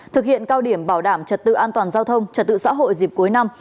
thực hiện cao điểm bảo đảm trật tự an toàn giao thông trật tự xã hội dịp cuối năm